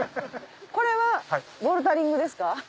これはボルダリングですか？